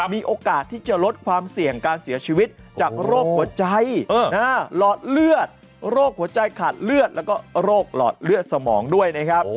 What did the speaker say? มีโอกาสที่จะลดความเสี่ยงการเสียชีวิตจากโรคหัวใจหลอดเลือดโรคหัวใจขาดเลือดแล้วก็โรคหลอดเลือดสมองด้วยนะครับ